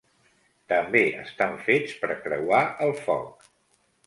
També estan fets per creuar el foc.